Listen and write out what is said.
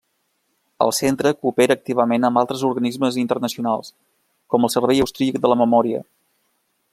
El centre coopera activament amb altres organismes internacionals, com el Servei Austríac de la Memòria.